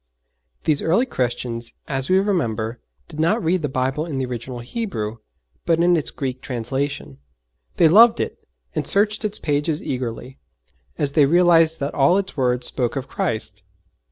These early Christians, as we remember, did not read the Bible in the original Hebrew, but in its Greek translation. They loved it and searched its pages eagerly, as they realized that all its words spoke of Christ!